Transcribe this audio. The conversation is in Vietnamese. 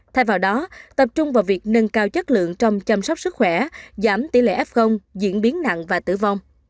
thay vào đó tập trung vào việc nâng cao chất lượng trong chăm sóc sức khỏe giảm tỷ lệ f diễn biến nặng và tử vong